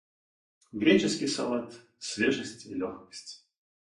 Греческий салат - свежесть и легкость.